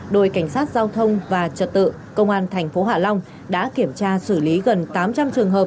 đội cảnh sát giao thông và trật tự công an tp hạ long đã kiểm tra xử lý gần tám trăm linh trường hợp